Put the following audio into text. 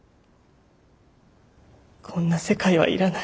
こんな世界はいらない。